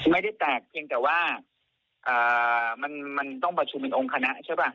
ไม่ได้แตกเพียงแต่ว่ามันต้องประชุมเป็นองค์คณะใช่ป่ะ